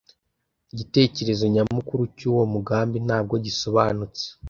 Igitekerezo nyamukuru cyuwo mugambi ntabwo gisobanutse.